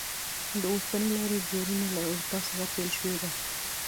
د اوسپنې لارې جوړونه له اروپا څخه پیل شوې ده.